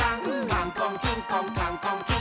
「カンコンキンコンカンコンキン！」